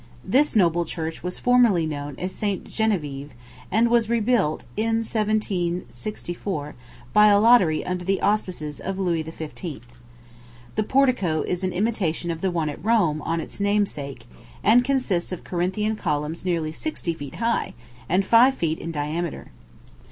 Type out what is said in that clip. This noble church was formerly known as St. Genevieve, and was rebuilt, in 1764, by a lottery under the auspices of Louis XV. The portico is an imitation of the one at Rome on its namesake, and consists of Corinthian columns nearly sixty feet high, and five feet in diameter.